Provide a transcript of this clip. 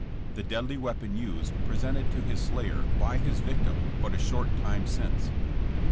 —The Deadly Weapon Used Presented to His Slayer by His Victim But a Short Time Since.